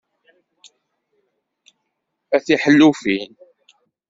A tiḥellufin!